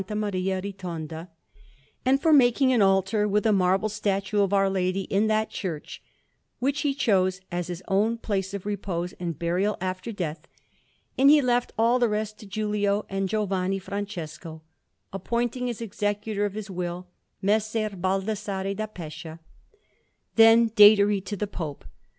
Maria Ritonda, and for making an altar, with a marble statue of Our Lady, in that church, which he chose as his place of repose and burial after death; and he left all the rest to Giulio and Giovanni Francesco, appointing as executor of his will Messer Baldassarre da Pescia, then Datary to the Pope.